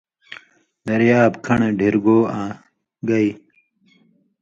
دریاب، کھڑہۡ، ڈھیرگو آں گئ